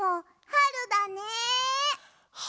はるだね。